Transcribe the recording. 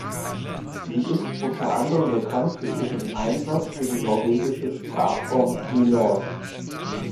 Sie ist unter anderem bekannt für ihren Einsatz für die norwegische Sprachform Nynorsk.